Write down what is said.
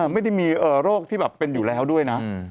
ไม่ได้มีโรคที่แบบเป็นอยู่แล้วด้วยนะ